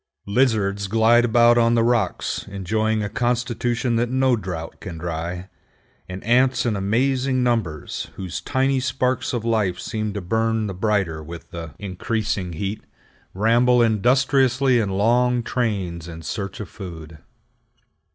Lizards glide about on the rocks enjoying a constitution that no drought can dry, and ants in amazing numbers, whose tiny sparks of life seem to burn the brighter with the increasing heat, ramble industriously in long trains in search of food.